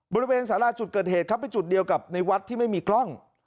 บริเวณสาราจุดเกิดเหตุครับเป็นจุดเดียวกับในวัดที่ไม่มีกล้อง